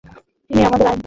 তিনি আমাদের আইনজীবী।